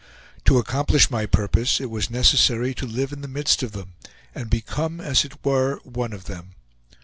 To accomplish my purpose it was necessary to live in the midst of them, and become, as it were, one of them.